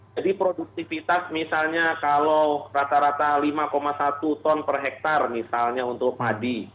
jadi produktivitas misalnya kalau rata rata lima satu ton per hektare misalnya untuk padi